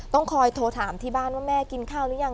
ต้องคอยโทรถามที่บ้านว่าแม่กินข้าวหรือยัง